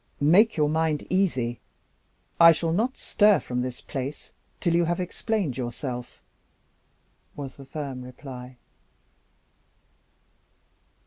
"Make your mind easy. I shall not stir from this place till you have explained yourself," was the firm reply.